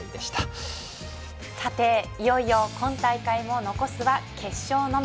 さて、いよいよ今大会も残すは決勝のみ。